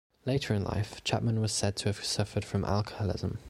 Later in life, Chapman was said to have suffered from alcoholism.